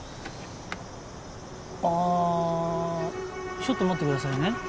ああちょっと待ってくださいね